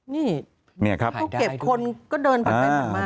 นี่ผู้เก็บคนก็เดินไปไปมาก